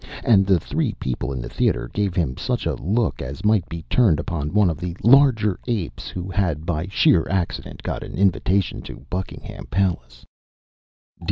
And the three people in the theater gave him such a look as might be turned upon one of the larger apes who had, by sheer accident, got an invitation to Buckingham Palace.